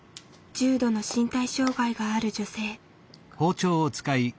重度の身体障害がある女性。